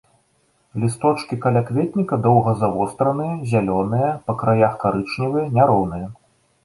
Лісточкі калякветніка доўга завостраныя, зялёныя, па краях карычневыя, няроўныя.